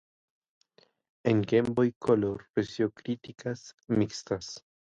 En Game Boy Color recibió críticas mixtas.